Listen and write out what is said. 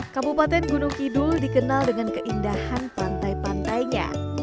kabupaten gunung kidul dikenal dengan keindahan pantai pantainya